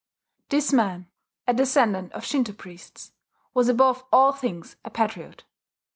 This man, a descendant of Shinto priests, was above all things a patriot.